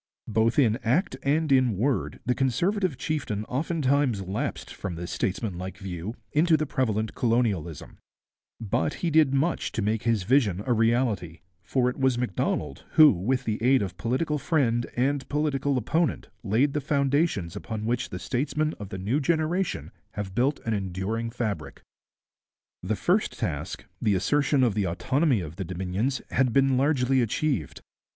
Both in act and in word the Conservative chieftain oftentimes lapsed from this statesmanlike view into the prevalent colonialism; but he did much to make his vision a reality, for it was Macdonald who, with the aid of political friend and political opponent, laid the foundations upon which the statesmen of the new generation have built an enduring fabric. The first task, the assertion of the autonomy of the Dominions, had been largely achieved.